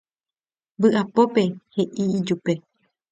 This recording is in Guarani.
vy'apópe he'i ijupe